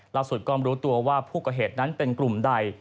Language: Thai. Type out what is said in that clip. สุดก็ไม่รู้ตัวว่าผู้ก่อเหตุนั้นเป็นกลุ่มใด